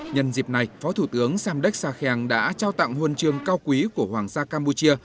nhân dịp này phó thủ tướng samdech sarkhang đã trao tặng hôn trường cao quý của hoàng gia campuchia